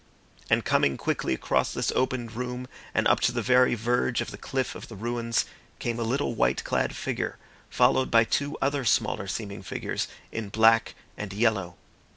And coming quickly across this opened room and up to the very verge of the cliff of the ruins came a little white clad figure followed by two other smaller seeming figures in black and yellow.